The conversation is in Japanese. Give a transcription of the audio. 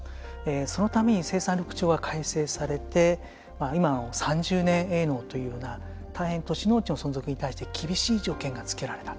そのために生産緑地が改正されて今の３０年営農という都市農地の存続について厳しい条件がつけられた。